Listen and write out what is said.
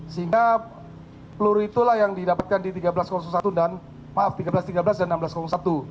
sehingga peluru itulah yang didapatkan di tiga belas satu dan maaf tiga belas tiga belas dan enam belas satu